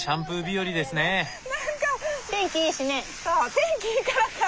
天気いいからか。